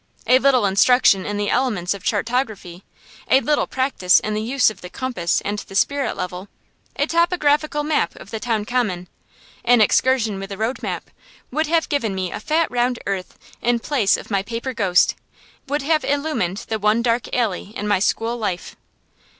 A little instruction in the elements of chartography a little practice in the use of the compass and the spirit level, a topographical map of the town common, an excursion with a road map would have given me a fat round earth in place of my paper ghost; would have illumined the one dark alley in my school life.